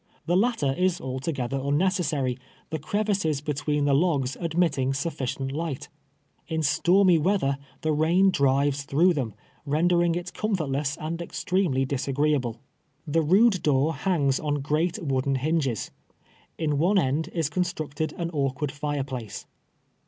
The latter is altogether unnecessary, the crevices between the logs admitting sufficient light. In stormy weather the rain drives through them, rendering it comfortless and extremely disagreeable. THE slave's labors. 171 Tlie nide door hangs on o reat wooden liinges. In one end is constructed an awkward fire place.